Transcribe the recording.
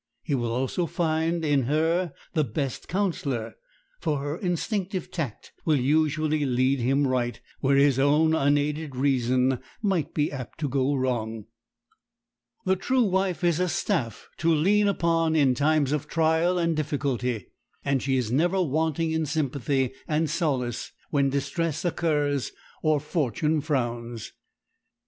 He will also often find in her his best counselor; for her instinctive tact will usually lead him right, where his own unaided reason might be apt to go wrong. The true wife is a staff to lean upon in times of trial and difficulty, and she is never wanting in sympathy and solace when distress occurs or fortune frowns.